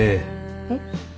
えっ？